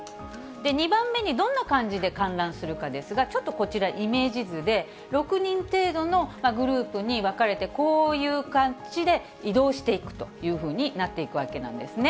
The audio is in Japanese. ２番目にどんな感じで観覧するかですが、ちょっとこちら、イメージ図で、６人程度のグループに分かれてこういう感じで移動していくというふうになっていくわけなんですね。